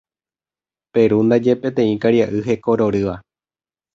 Peru ndaje peteĩ karia'y hekororýva.